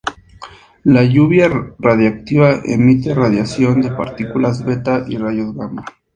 La lluvia radiactiva emite radiación de partículas beta y rayos gamma.